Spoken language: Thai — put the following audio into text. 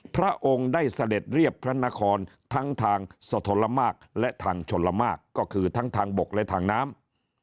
พระองค์ได้เสด็จเรียบพระนครทั้งทางสะทนละมากและทางชนละมากก็คือทั้งทางบกและทางน้ำ